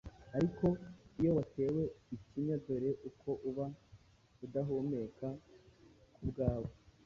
Ariko iyo watewe ikinya dore ko uba udahumeka ku bwawe